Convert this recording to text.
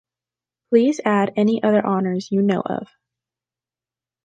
Please add any other honours you know of.